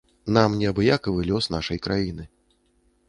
Нам неабыякавы лёс нашай краіны.